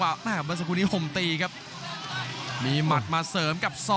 ขวางเอาไว้ครับโอ้ยเด้งเตียวคืนครับฝันด้วยศอกซ้าย